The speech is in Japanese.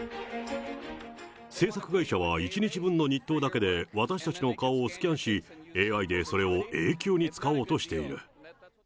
制作会社は、１日分の日当だけで、私たちの顔をスキャンし、ＡＩで、それを永久に使おうとしている。